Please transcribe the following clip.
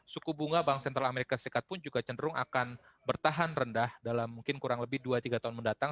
suku bunga bank sentral amerika serikat pun juga cenderung akan bertahan rendah dalam mungkin kurang lebih dua tiga tahun mendatang